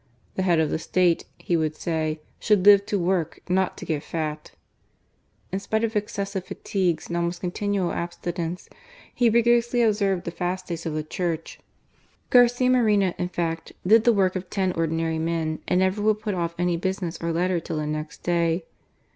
" The head of the State," he would say, "should live to work, not to get fat«" In spite of excessive fatigues and almost continual abstinence, he rigorously observed the fast days of the Church. Garcia Moreno, in fact, did the work of ten ordinary men, and never would put off any business or letter till the next day.